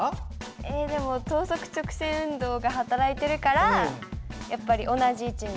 えでも等速直線運動が働いてるからやっぱり同じ位置に。